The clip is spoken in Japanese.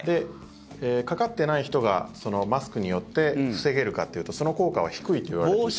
かかってない人がマスクによって防げるかというとその効果は低いといわれていたんです。